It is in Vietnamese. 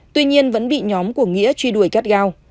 tuy nhiên vẫn bị nhóm của nghĩa truy đuổi cắt gao